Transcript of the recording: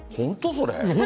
それ。